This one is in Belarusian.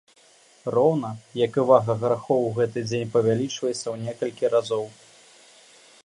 Роўна, як і вага грахоў у гэты дзень павялічваецца ў некалькі разоў.